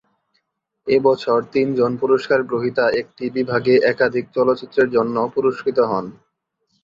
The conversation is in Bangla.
এ বছর তিনজন পুরস্কার গ্রহীতা একটি বিভাগে একাধিক চলচ্চিত্রের জন্য পুরস্কৃত হন।